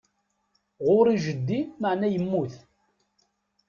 Ɣur-i jeddi meɛna yemmut.